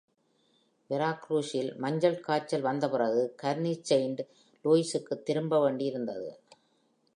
வெராக்ரூஸில் மஞ்சள் காய்ச்சல் வந்த பிறகு, கர்னி செயிண்ட் லூயிஸுக்கு திரும்ப வேண்டி இருந்தது.